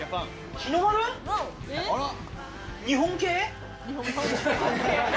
日本系？